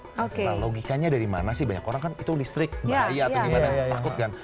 nah logikanya dari mana sih banyak orang kan itu listrik bahaya atau gimana takut kan